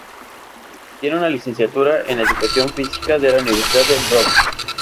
Tiene una Licenciatura en Educación Física de la Universidad de Brock.